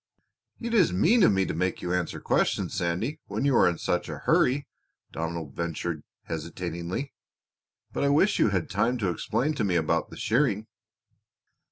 "It is mean of me to make you answer questions, Sandy, when you are in such a hurry," Donald ventured hesitatingly, "but I wish you had time to explain to me about the shearing."